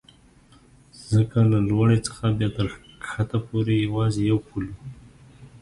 ځکه له لوړې څخه بیا تر کښته پورې یوازې یو پل و.